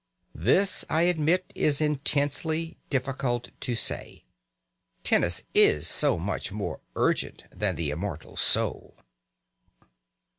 This, I admit, is intensely difficult to say. Tennis is so much more urgent than the immortal soul.